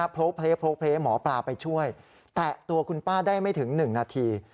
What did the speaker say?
โพลเพลหมอปลาไปช่วยแตะตัวคุณป้าได้ไม่ถึง๑นาที